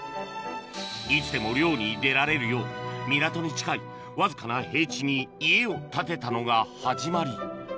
いつでも漁に出られるよう港に近いわずかな平地に家を建てたのが始まり